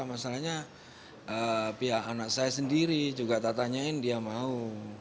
masalahnya pihak anak saya sendiri juga tak tanyain dia mau